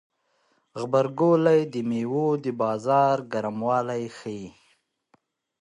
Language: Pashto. غبرګولی د میوو د بازار ګرموالی ښيي.